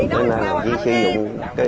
nên là chỉ sử dụng